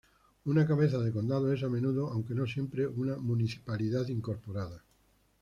Una cabeza de condado es a menudo, aunque no siempre, una municipalidad incorporada.